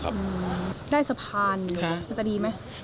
ได้สะพานจะดีไหม